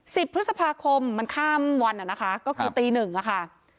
สิบพฤษภาคมมันข้ามวันอ่ะนะคะก็คือตีหนึ่งอะค่ะ